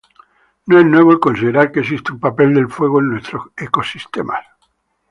No es nuevo el considerar que existe un papel del fuego en nuestros ecosistemas.